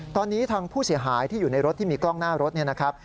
ตอนนี้ทางผู้เสียหายที่อยู่ในรถที่มีกล้องหน้ารถเนี่ยนะครับ